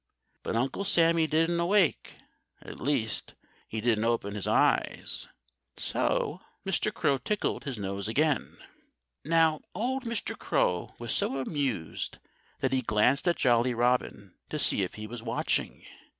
But Uncle Sammy didn't awake at least, he didn't open his eyes. So Mr. Crow tickled his nose again. Now, old Mr. Crow was so amused that he glanced at Jolly Robin, to see if he was watching.